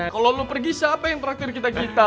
kalau lo pergi siapa yang terakhir kita kita